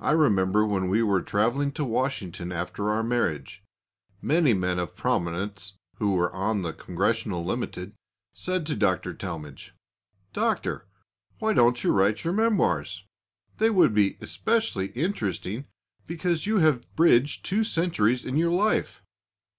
I remember when we were travelling to Washington after our marriage, many men of prominence, who were on the Congressional Limited, said to Dr. Talmage: "Doctor, why don't you write your memoirs? They would be especially interesting because you have bridged two centuries in your life."